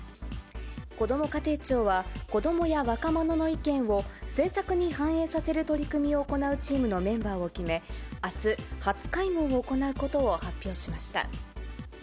こども家庭庁は、子どもや若者の意見を政策に反映させる取り組みを行うチームのメンバーを決め、あす、初会合を行うことを発表しました。